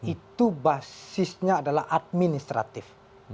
itu basisnya adalah administratif